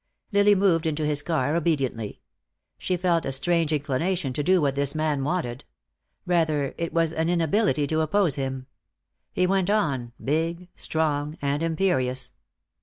Lily moved into his car obediently. She felt a strange inclination to do what this man wanted. Rather, it was an inability to oppose him. He went on, big, strong, and imperious.